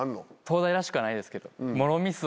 東大らしくはないですけど。